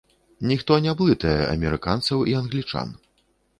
Ніхто не блытае амерыканцаў і англічан.